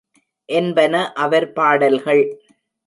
என்பன அவர் பாடல்கள்.